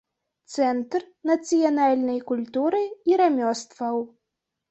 Цэнтр нацыянальнай культуры і рамёстваў.